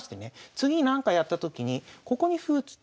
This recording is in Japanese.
次なんかやったときにここに歩打つ。